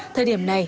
thời điểm này